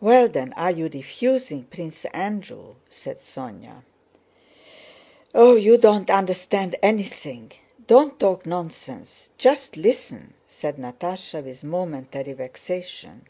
"Well, then, are you refusing Prince Andrew?" said Sónya. "Oh, you don't understand anything! Don't talk nonsense, just listen!" said Natásha, with momentary vexation.